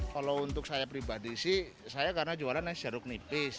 kalau untuk saya pribadi sih saya karena jualannya jeruk nipis